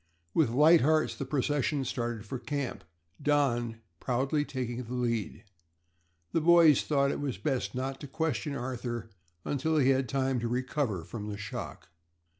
With light hearts the procession started for camp, Don proudly taking the lead. The boys thought it was best not to question Arthur until he had had time to recover from the shock.